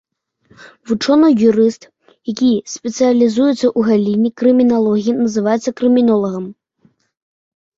Вучоны-юрыст, які спецыялізуецца ў галіне крыміналогіі, называецца крымінолагам.